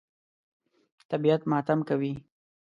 طبیعت ماتم کوي.